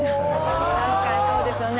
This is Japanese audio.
確かに、そうですよね。